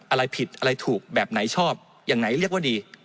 อะไรผิดอะไรถูกแบบไหนชอบอย่างไหนเรียกว่าดี